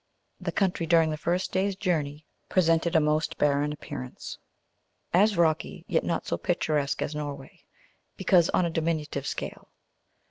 The country during the first day's journey presented a most barren appearance, as rocky, yet not so picturesque as Norway, because on a diminutive scale.